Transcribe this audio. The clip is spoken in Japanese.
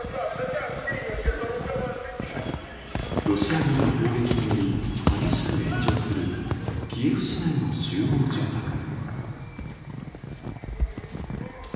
ロシア軍の砲撃により激しく炎上するキエフ市内の集合住宅。